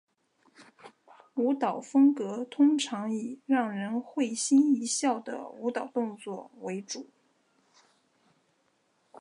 舞蹈风格通常以让人会心一笑的舞蹈动作为主。